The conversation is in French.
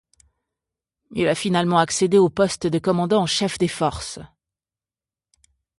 Il a finalement accédé au poste de commandant en chef des forces.